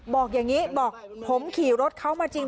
บอกอย่างนี้บอกผมขี่รถเขามาจริง